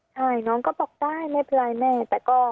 ใช่น้องก็บอกได้ไม่เป็นไรแม่แต่ก็